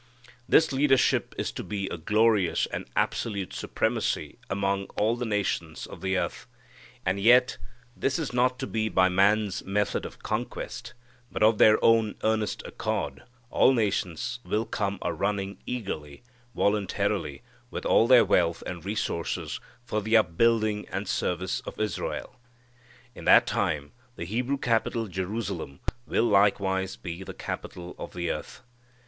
This leadership is to be a glorious and absolute supremacy among all the nations of the earth. And yet this is not to be by man's method of conquest, but of their own earnest accord all nations will come a running eagerly, voluntarily, with all their wealth and resources for the upbuilding and service of Israel. In that time the Hebrew capital Jerusalem will likewise be the capital of the earth.